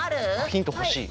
ヒント欲しい。